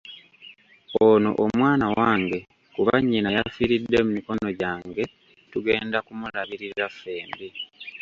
Ono omwana wange kuba nnyina yafiiridde mu mikono gyange, tugenda kumulabirira ffembi.